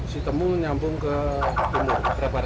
sitemu nyambung ke timur